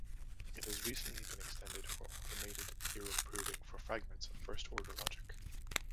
It has recently been extended for automated theorem proving for fragments of first-order logic.